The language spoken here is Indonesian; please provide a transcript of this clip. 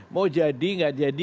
mau jadi gak jadi